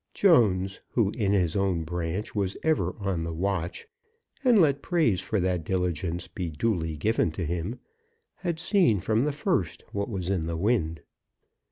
Jones, who in his own branch was ever on the watch, and let praise for that diligence be duly given to him, had seen from the first what was in the wind.